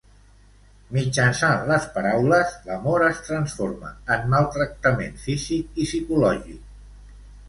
Mitjançant les paraules, l'amor es transforma en maltractament físic i psicològic.